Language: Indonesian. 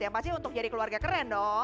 yang pasti untuk jadi keluarga keren dong